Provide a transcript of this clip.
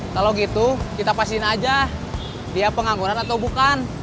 kalau gitu kita pasin aja dia pengangguran atau bukan